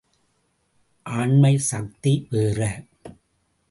ஆண்மைச் சக்தி வேறு.